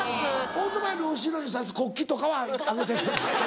オートバイの後ろに差す国旗とかはあげてへんの？